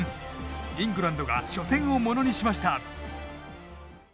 イングランドが初戦をものにしました。